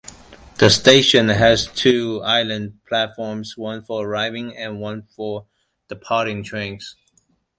The station has two island platforms, one for arriving and one for departing trains.